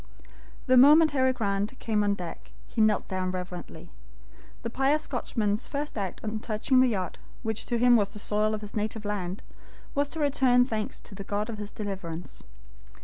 The moment Harry Grant came on deck, he knelt down reverently. The pious Scotchman's first act on touching the yacht, which to him was the soil of his native land, was to return thanks to the God of his deliverance.